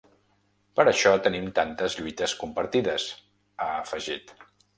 Per això tenim tantes lluites compartides, ha afegit.